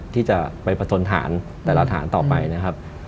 ที่จะไปประทนฐานแต่ละฐานต่อไปนะครับ